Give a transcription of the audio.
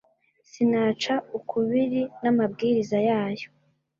sinaca ukubiri n’amabwiriza yayo